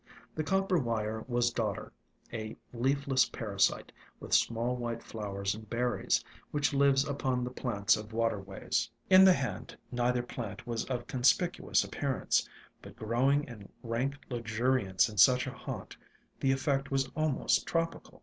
The copper wire was Dodder, a leafless parasite, with small white flowers and berries, which lives upon the plants of waterways. In the hand, nei ther plant was of conspicuous appearance, but growing in rank luxuriance in such a haunt, the effect was almost tropical.